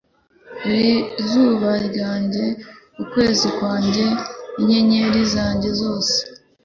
uri izuba ryanjye, ukwezi kwanjye, n'inyenyeri zanjye zose.